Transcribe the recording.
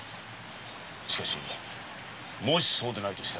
しかしもしそうでないとしたら。